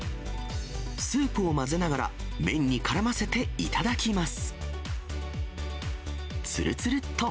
スープを混ぜながら、麺にからませて頂きます。